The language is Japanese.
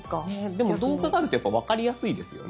でも動画があるとやっぱ分かりやすいですよね。